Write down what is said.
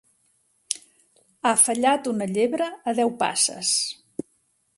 Ha fallat una llebre a deu passes.